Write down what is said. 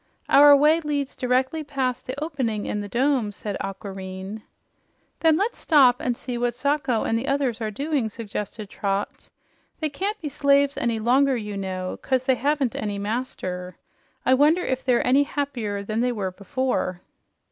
"Our way leads directly past the opening in the dome," said Aquareine. "Then let's stop and see what Sacho and the others are doing," suggested Trot. "They can't be slaves any longer, you know, 'cause they haven't any master. I wonder if they're any happier than they were before?"